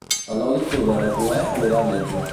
El nou d'octubre na Chloé anirà al metge.